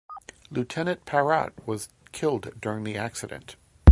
Lieutenant Parrott was killed during the accident.